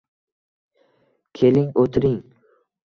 Keling o’tiring…